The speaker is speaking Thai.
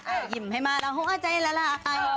อ้ายิ่มให้มาแล้วหัวใจละลาย